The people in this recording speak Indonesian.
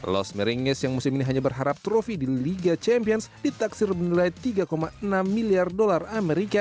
los marinus yang musim ini hanya berharap trofi di liga champions ditaksir bernilai tiga enam miliar dolar amerika